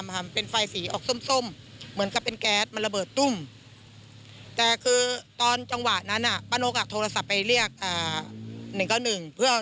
มันมันเป็นไฟศีรษีออกส้มส้มเหมือนกับเป็นแจ๊ตมันระเบิดตุ้มแต่คือตอนจังหวะนั้นอ่ะ